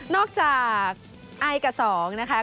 อกจากไอกับสองนะคะ